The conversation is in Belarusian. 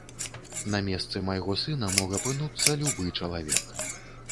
На месцы майго сына мог апынуцца любы чалавек.